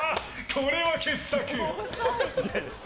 これは傑作！